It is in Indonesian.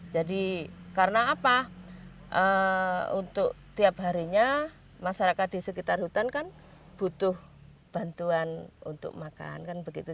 jadi karena apa untuk tiap harinya masyarakat di sekitar hutan kan butuh bantuan untuk makan kan begitu